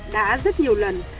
đã rất nhiều lần